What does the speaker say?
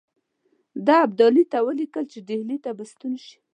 ده ابدالي ته ولیکل چې ډهلي ته به ستون شي.